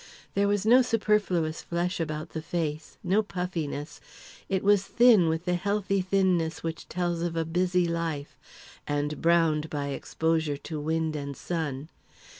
There was no superfluous flesh about the face no puffiness; it was thin with the healthy thinness which tells of a busy life, and browned by exposure to wind and sun.